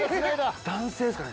男性ですかね。